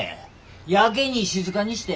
やけに静かにして。